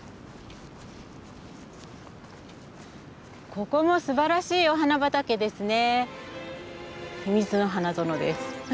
ここもすばらしいお花畑ですね。